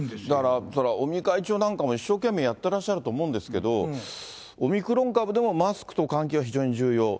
だから尾身会長なんかも一生懸命やってらっしゃると思うんですけれども、オミクロン株でもマスクと換気が非常に重要。